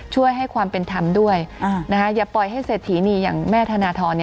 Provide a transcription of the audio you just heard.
ช่วยให้ความเป็นธรรมด้วยอย่าปล่อยให้เศรษฐีนีอย่างแม่ธนทร